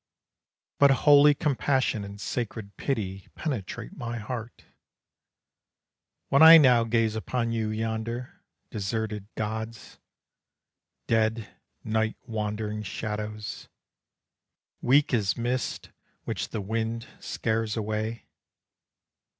But holy compassion and sacred pity Penetrate my heart, When I now gaze upon you yonder, Deserted gods! Dead night wandering shadows, Weak as mists which the wind scares away.